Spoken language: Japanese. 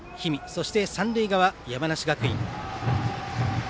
そして三塁側、山梨学院。